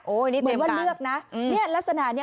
โอ้นี่เตรียมการมันว่าเลือกนะนี่ลักษณะนี้